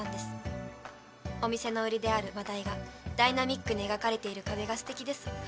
お店の売りであるマダイがダイナミックに描かれている壁がすてきです。